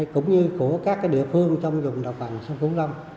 cũng như của các địa phương trong vùng đồng bằng sông cửu long